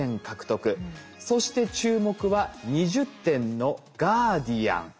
そして注目は２０点のガーディアン。